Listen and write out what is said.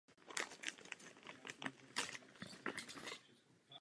K dispozici byly dvě barvy a to šedá a později i oranžová.